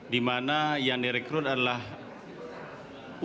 di mana yang direkrut adalah